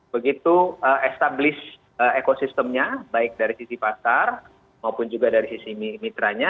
begitu established ekosistemnya baik dari sisi pasar maupun juga dari sisi mitranya